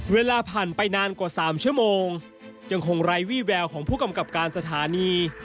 เวลาผ่านไปนานกว่า๓ชั่วโมงยังคงไร้วี่แววของผู้กำกับการสถานี